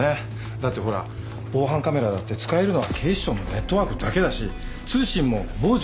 だってほら防犯カメラだって使えるのは警視庁のネットワークだけだし通信も傍受はできない。